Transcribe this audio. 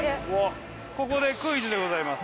ここでクイズでございます。